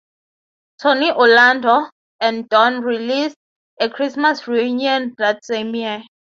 Tony Orlando and Dawn released "A Christmas Reunion" that same year.